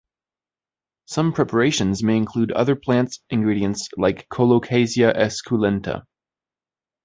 Some preparations may include other plant ingredients like "Colocasia esculenta".